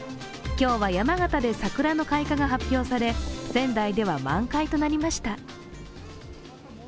今日は山形で桜の開花が発表され仙台では満開となりました。